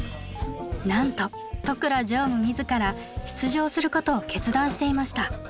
なんと都倉常務自ら出場することを決断していました。